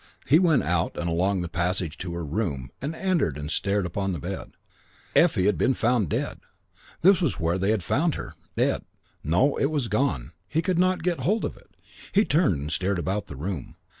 He went out and along the passage to her room and entered and stared upon the bed. Effie had been found dead. This was where they had found her dead. No, it was gone; he could not get hold of it. He turned and stared about the room.